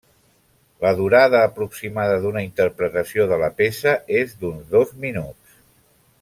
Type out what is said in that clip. La durada aproximada d'una interpretació de la peça és d'uns dos minuts.